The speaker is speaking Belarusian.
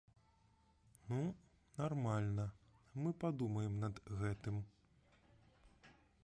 Ну, нармальна, мы падумаем над гэтым.